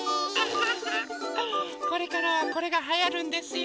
これからはこれがはやるんですよ。